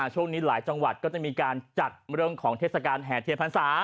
ช่วงนี้หลายจังหวัดก็จะมีการจัดเรื่องของเทศกาลแห่เทียนพรรษา